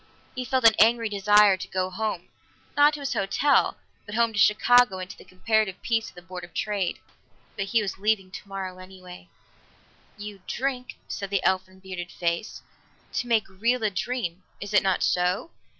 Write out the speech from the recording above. He felt an angry desire to go home not to his hotel, but home to Chicago and to the comparative peace of the Board of Trade. But he was leaving tomorrow anyway. "You drink," said the elfin, bearded face, "to make real a dream. Is it not so?